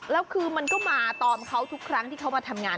แล้วคือมันก็มาตอนเขาทุกครั้งที่เขามาทำงาน